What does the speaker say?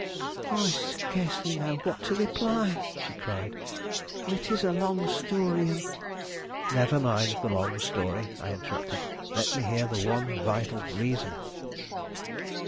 "I scarcely know what to reply," she cried. "It is a long story, and " "Never mind the long story," I interrupted. "Let me hear the one vital reason."